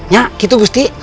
ya gitu gusti